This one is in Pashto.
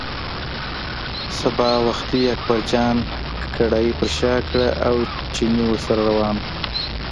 سبا وختي اکبرجان کړایی پر شا کړه او چيني ورسره روان و.